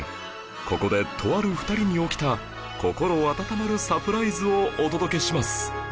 ここでとある２人に起きた心温まるサプライズをお届けします